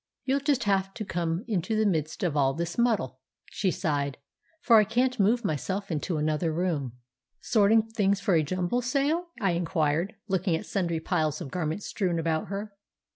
"You'll just have to come into the midst of all this muddle," she sighed, "for I can't move myself into another room." "Sorting things for a jumble sale?" I inquired, looking at sundry piles of garments strewn about her.